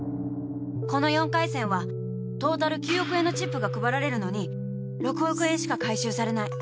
この４回戦はトータル９億円のチップが配られるのに６億円しか回収されない。